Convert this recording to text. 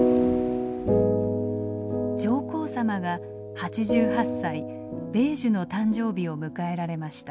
上皇さまが８８歳米寿の誕生日を迎えられました。